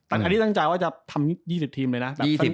อันนี้ตั้งใจว่าจะทำ๒๐ทีมเลยนะ